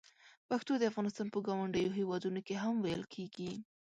پښتو د افغانستان په ګاونډیو هېوادونو کې هم ویل کېږي.